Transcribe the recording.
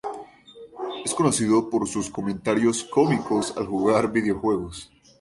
Es conocido por sus comentarios cómicos al jugar videojuegos.